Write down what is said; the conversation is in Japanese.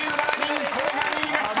［これが２位でした］